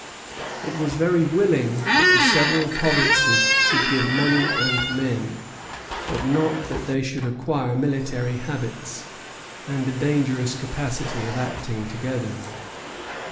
It was very willing that the several provinces should give money and men, but not that they should acquire military habits and a dangerous capacity of acting together.